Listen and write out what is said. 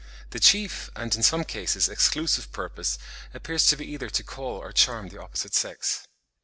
The chief and, in some cases, exclusive purpose appears to be either to call or charm the opposite sex.